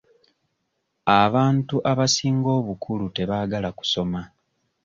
Abantu abasinga obukulu tebaagala kusoma.